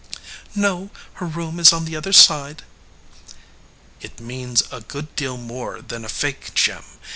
"No ; her room is on the other side." "It means a good deal more than a fake gem.